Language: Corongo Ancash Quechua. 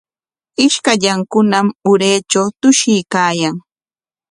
Ishkallankunam uratraw tushuykaayan.